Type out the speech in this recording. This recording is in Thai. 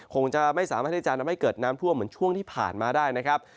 คงจะไม่สามารถที่จะทำให้เกิดน้ำท่วมเหมือนช่วงที่ผ่านมาได้นะครับ